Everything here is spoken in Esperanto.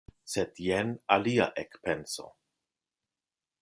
Sed jen alia ekpenso: